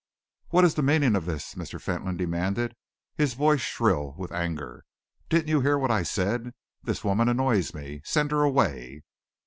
"What is the meaning of this?" Mr. Fentolin demanded, his voice shrill with anger. "Didn't you hear what I said? This woman annoys me. Send her away."